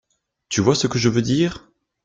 Tu vois ce que je veux dire?